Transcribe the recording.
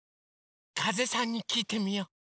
かぜさんにきいてみよう！